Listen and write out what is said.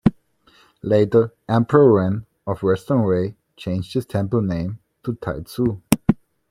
Later, Emperor Wen of Western Wei changed his temple name to Taizu.